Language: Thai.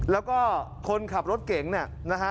แล้วก็คนขับรถเก่งนะครับ